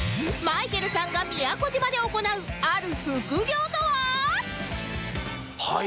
まいけるさんが宮古島で行うある副業とは？